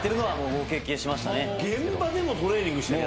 現場でもトレーニングしてんの！？